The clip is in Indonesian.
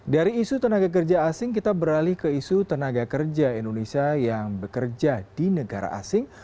dari isu tenaga kerja asing kita beralih ke isu tenaga kerja indonesia yang bekerja di negara asing